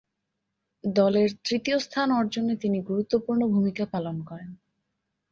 দলের তৃতীয় স্থান অর্জনে তিনি গুরুত্বপূর্ণ ভূমিকা পালন করেন।